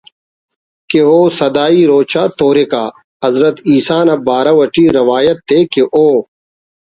کہ او سدائی روچہ توریکہ حضرت عیسیٰ ؑ نا بارو اٹی روایت ءِ کہ او